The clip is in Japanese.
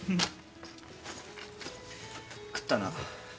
食ったな？